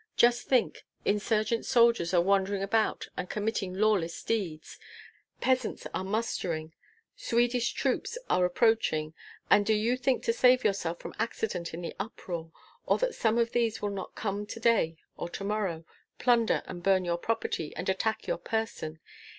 Just think, insurgent soldiers are wandering about and committing lawless deeds, peasants are mustering, Swedish troops are approaching, and do you think to save yourself from accident in the uproar, or that some of these will not come to day or tomorrow, plunder and burn your property, and attack your person?